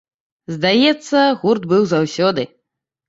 Здаецца, гурт быў заўсёды.